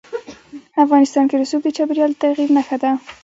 افغانستان کې رسوب د چاپېریال د تغیر نښه ده.